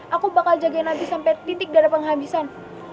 aku bakal jagain abi sampe titik darah penghabisan